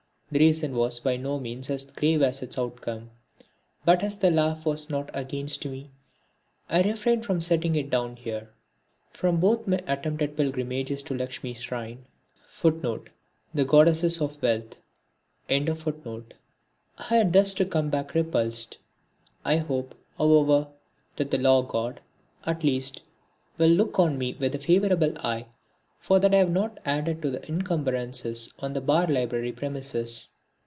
The reason was by no means as grave as its outcome, but as the laugh was not against me, I refrain from setting it down here. From both my attempted pilgrimages to Lakshmi's shrine I had thus to come back repulsed. I hope, however, that the Law god, at least, will look on me with a favourable eye for that I have not added to the encumbrances on the Bar library premises.